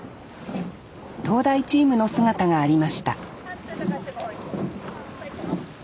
東大チームの姿がありました